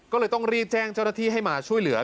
ก็เลยต้องรีบแจ้งเจ้าหน้าที่ให้มาช่วยเหลือ